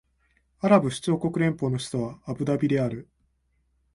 アラブ首長国連邦の首都はアブダビである